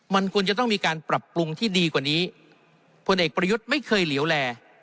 มันควรจะต้องมีการปรับปรุงที่ดีกว่านี้พลเอกประยุทธ์ไม่เคยเหลวแล